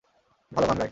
ভালো গান গায়।